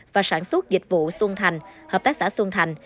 và sản xuất dịch vụ xuân thành hợp tác xã xuân thành